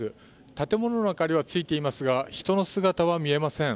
建物の明かりはついていますが人の姿は見えません。